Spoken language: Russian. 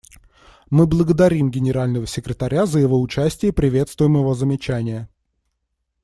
Мы благодарим Генерального секретаря за его участие и приветствуем его замечания.